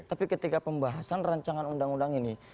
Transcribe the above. tapi ketika pembahasan rancangan undang undang ini